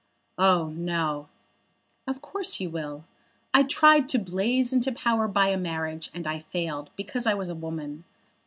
"Oh, no." "Of course you will. I tried to blaze into power by a marriage, and I failed, because I was a woman.